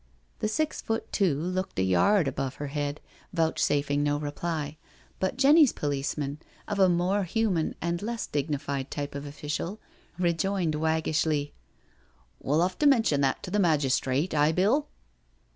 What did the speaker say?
The six foot two looked a yard above her head, vouchsafing no reply, but Jenny's policeman, of a more human and less dignified type of official, rejoined wag gishly :" We'll 'ave to mention that to the magistrate, aye, Bill?"